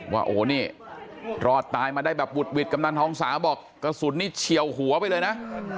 ว่าโอ้นี่รอดตายมาได้แบบหุดหวิดกำนันทองสาบอกกระสุนนี่เฉียวหัวไปเลยนะ